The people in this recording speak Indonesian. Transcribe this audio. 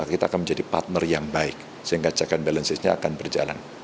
kita akan menjadi partner yang baik sehingga cekan balansisnya akan berjalan